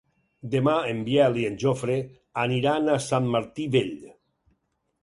Demà en Biel i en Jofre aniran a Sant Martí Vell.